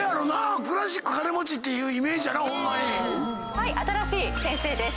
はい新しい先生です。